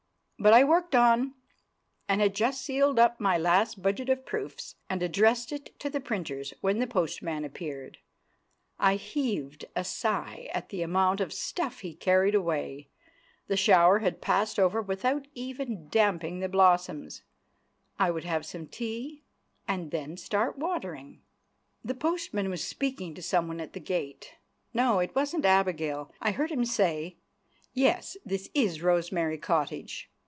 But I worked on, and had just sealed up my last budget of proofs, and addressed it to the printers, when the postman appeared. I heaved a sigh at the amount of stuff he carried away. The shower had passed over without even damping the blossoms. I would have some tea, and then start watering. The postman was speaking to someone at the gate. No, it wasn't Abigail. I heard him say, "Yes; this is Rosemary Cottage."